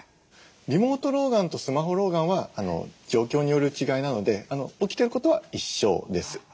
リモート老眼とスマホ老眼は状況による違いなので起きてることは一緒です。